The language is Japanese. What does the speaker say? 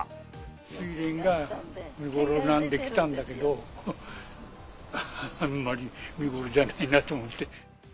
すいれんが見頃なんで来たんだけど、あんまり見頃じゃないなと思って。